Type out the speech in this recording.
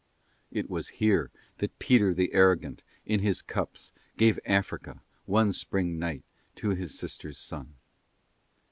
It was here that Peter the Arrogant in his cups gave Africa, one Spring night, to his sister's son.